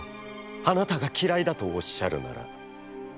あなたがきらいだとおっしゃるなら」。